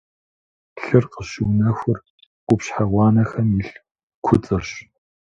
Лъыр къыщыунэхур къупщхьэ гъуанэхэм илъ куцӏырщ.